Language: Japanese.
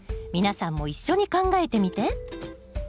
皆さんも一緒に考えてみて。